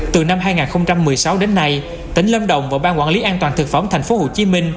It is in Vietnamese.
từ năm hai nghìn một mươi sáu đến nay tỉnh lâm đồng và ban quản lý an toàn thực phẩm tp hcm